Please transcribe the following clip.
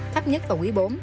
thấp nhất vào quý bốn